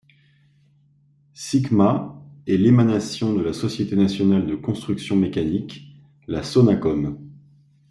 Cycma est l'émanation de la Société nationale de constructions mécaniques, la Sonacome.